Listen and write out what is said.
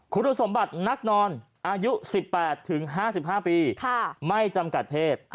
คุณสมบัตินักนอนอายุ๑๘๕๕ปีไม่จำกัดเพศ